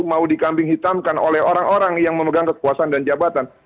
mau dikambing hitamkan oleh orang orang yang memegang kekuasaan dan jabatan